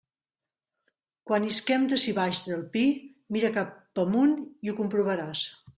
Quan isquem d'ací baix del pi, mira cap amunt i ho comprovaràs.